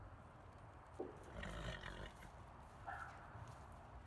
主管南澳教育的政府部门为教育及儿童培育署。